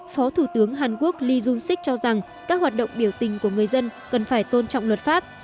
phó thủ tướng hàn quốc lee jun sik cho rằng các hoạt động biểu tình của người dân cần phải tôn trọng luật pháp